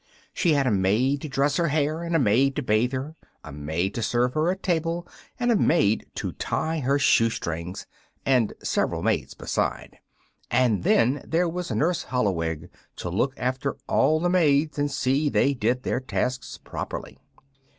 She had a maid to dress her hair and a maid to bathe her, a maid to serve her at table and a maid to tie her shoestrings, and several maids beside. And then there was Nurse Holloweg to look after all the maids and see they did their tasks properly.